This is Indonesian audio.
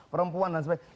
perempuan dan sebagainya